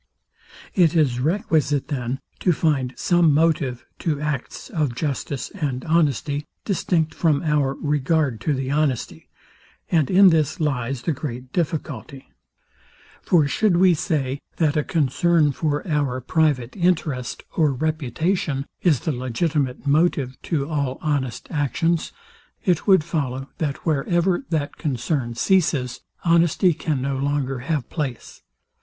It is requisite, then, to find some motive to acts of justice and honesty, distinct from our regard to the honesty; and in this lies the great difficulty. For should we say, that a concern for our private interest or reputation is the legitimate motive to all honest actions; it would follow, that wherever that concern ceases, honesty can no longer have place.